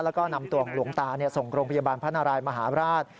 แล้วก็นำตัวของหลวงตาส่งโรงพยาบาลพระนารายมหาราช